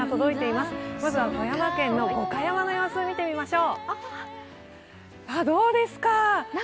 まずは富山県の五箇山の様子を見てみましょう。